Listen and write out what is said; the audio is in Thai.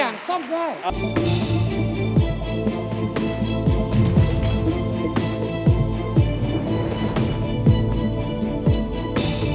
นี่แตกหักแตกหักโรมอุปกรณ์ได้